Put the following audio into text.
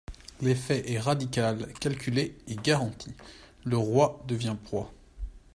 L’effet est radical, calculé et garanti: le roi devient proie.